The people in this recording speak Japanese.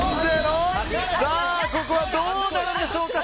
ここはどうなるんでしょうか。